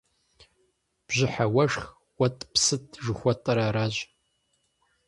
Бжьыхьэ уэшх, уэтӀпсытӀ жыхуэтӀэр аращ.